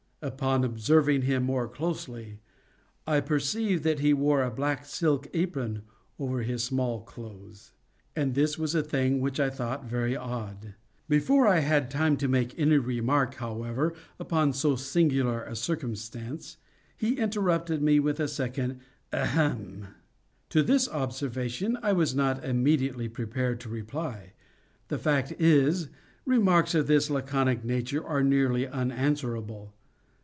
Upon observing him more closely, I perceived that he wore a black silk apron over his small clothes; and this was a thing which I thought very odd. Before I had time to make any remark, however, upon so singular a circumstance, he interrupted me with a second "ahem!" To this observation I was not immediately prepared to reply. The fact is, remarks of this laconic nature are nearly unanswerable.